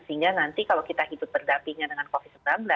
sehingga nanti kalau kita hidup berdampingan dengan covid sembilan belas